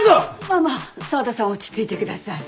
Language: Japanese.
まあまあ沢田さん落ち着いて下さい。